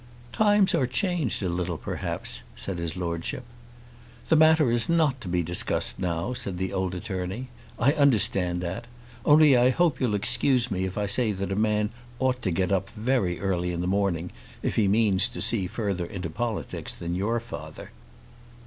"Times are changed a little, perhaps," said his Lordship. "The matter is not to be discussed now," said the old attorney. "I understand that. Only I hope you'll excuse me if I say that a man ought to get up very early in the morning if he means to see further into politics than your father."